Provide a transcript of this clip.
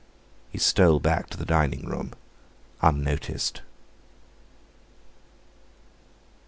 He stole back to the dining room unnoticed.